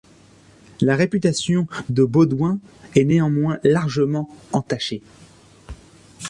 La réputation de Beaudoin est néanmoins largement entachée.